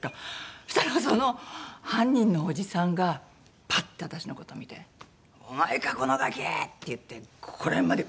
そしたらその犯人のおじさんがパッて私の事を見て「お前か？このガキ！」って言ってここら辺まで来られて。